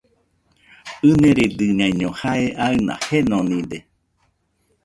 ɨniredɨñaiño jae aɨna jenonide.